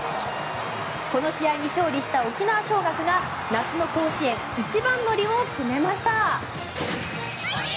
この試合に勝利した沖縄尚学が夏の甲子園一番乗りを決めました。